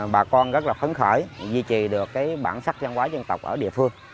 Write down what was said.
bà con rất là khấn khởi duy trì được bản sắc văn hóa dân tộc ở địa phương